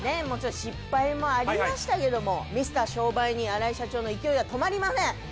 もちろん失敗もありましたけどもミスター商売人荒井社長の勢いは止まりません